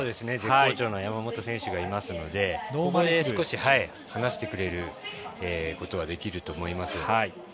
絶好調の山本選手がいますので、ここで少し離してくれることができると思います。